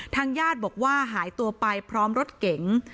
ญาติบอกว่าหายตัวไปพร้อมรถเก๋ง